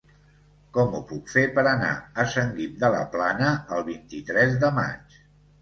Com ho puc fer per anar a Sant Guim de la Plana el vint-i-tres de maig?